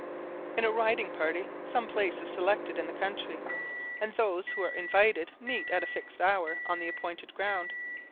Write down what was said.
In a riding party, some place is selected in the country, and those who are invited meet at a fixed hour on the appointed ground.